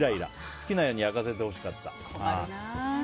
好きなように焼かせてほしかった。